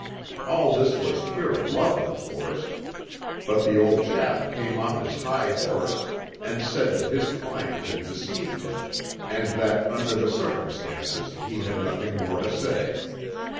All this was pure bluff, of course, but the old chap came off his high horse and said that his client had deceived him and that under the circumstances he had nothing more to say.